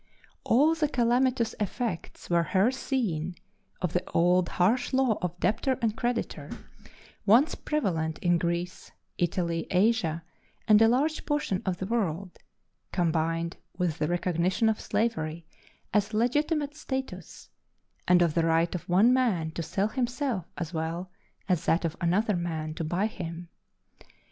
All the calamitous effects were here seen of the old harsh law of debtor and creditor once prevalent in Greece, Italy, Asia, and a large portion of the world combined with the recognition of slavery as a legitimate status, and of the right of one man to sell himself as well as that of another man to buy him.